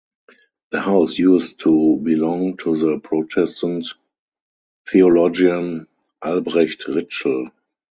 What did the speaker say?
The house used to belong to the Protestant theologian Albrecht Ritschl.